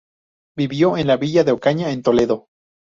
Vivió en la villa de Ocaña, en Toledo.